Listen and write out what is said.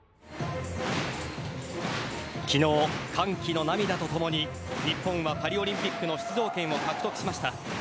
昨日、歓喜の涙とともに日本はパリオリンピックの出場権を獲得しました。